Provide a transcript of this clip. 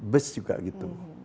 bus juga gitu